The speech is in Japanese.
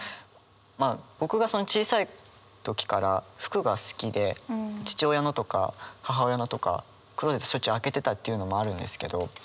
まあ僕が小さい時から服が好きで父親のとか母親のとかクローゼットしょっちゅう開けてたというのもあるんですけど。